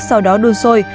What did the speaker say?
sau đó đun sôi